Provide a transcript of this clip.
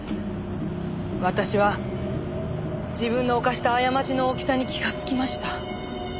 私は自分の犯した過ちの大きさに気がつきました。